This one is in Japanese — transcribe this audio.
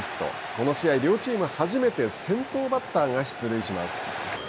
この試合、両チーム初めて先頭バッターが出塁します。